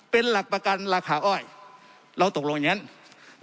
เป็นหลักประกันราคาอ้อยเราตกลงอย่างนั้น